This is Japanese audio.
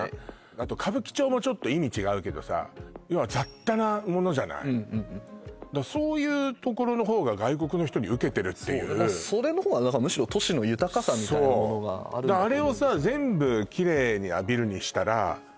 あと歌舞伎町もちょっと意味違うけどさ要は雑多なものじゃないうんうんうんそういう所の方が外国の人にウケてるっていうそれの方が何かむしろみたいなものがあるんだと思うなるわよね